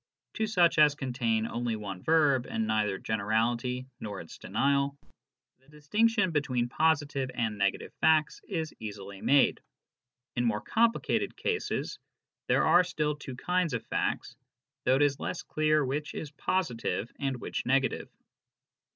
to such as contain only one verb and neither generality nor'* its denial, the distinction between positive and negative facts is easily made. In more complicated cases there are still two kinds of facts, though it is less clear which is positive and which negative.